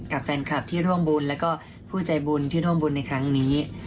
กับแฟนคลับที่ร่วมบุญแล้วก็ผู้ใจบุญที่ร่วมบุญในครั้งนี้